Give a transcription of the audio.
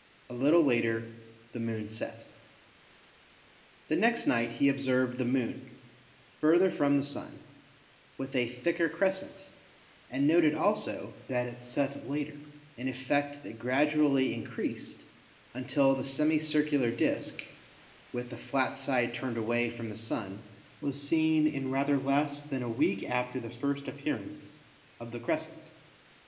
A little later the Moon set. The next night he observed the Moon further from the Sun, with a thicker crescent, and noted also that it set later, an effect that gradually increased until the semi circular disk, with the flat side turned away from the Sun, was seen in rather less than a week after the first appear ance of the crescent.